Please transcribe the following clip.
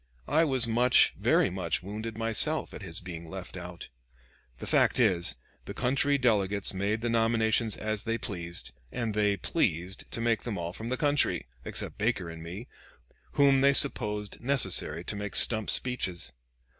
I was much, very much, wounded myself, at his being left out. The fact is, the country delegates made the nominations as they pleased, and they pleased to make them all from the country, except Baker and me, whom they supposed necessary to make stump speeches.